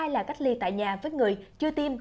hai là cách ly tại nhà với người chưa tiêm